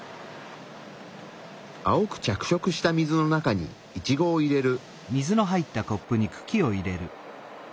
青く着色した水の中にイチゴを入れる。